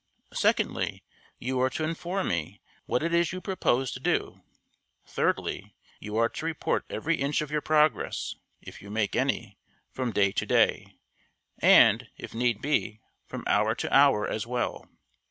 Secondly, you are to inform me what it is you propose to do. Thirdly, you are to report every inch of your progress (if you make any) from day to day, and, if need be, from hour to hour as well.